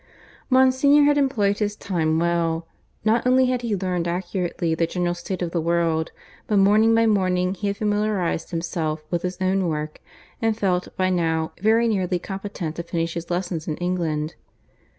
Monsignor had employed his time well. Not only had he learned accurately the general state of the world, but morning by morning he had familiarized himself with his own work, and felt, by now, very nearly competent to finish his lessons in England.